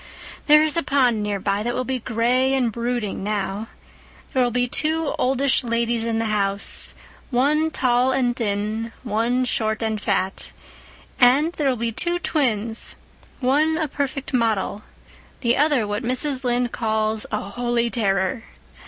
There is a pond nearby that will be gray and brooding now. There will be two oldish ladies in the house, one tall and thin, one short and fat; and there will be two twins, one a perfect model, the other what Mrs. Lynde calls a 'holy terror.